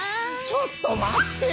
ちょっと待って！